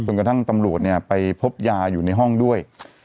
กระทั่งตำรวจเนี่ยไปพบยาอยู่ในห้องด้วย